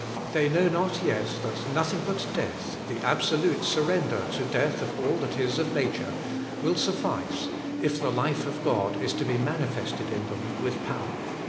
They know not yet that nothing but death, the absolute surrender to death of all that is ' of nature, will suflBce if the life of God is to be mani fested in them with power.